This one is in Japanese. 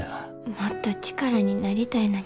もっと力になりたいのに。